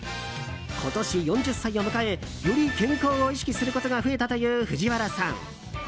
今年４０歳を迎えより健康を意識することが増えたという藤原さん。